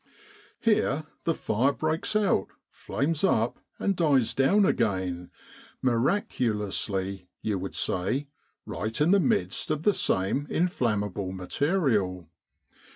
Here the fire breaks out, flames up, and dies down again miraculously, you would say right in the midst of the same inflammable material.